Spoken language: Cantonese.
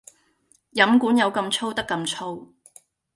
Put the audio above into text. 飲管有咁粗得咁粗